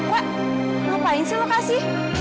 wah ngapain sih lokasi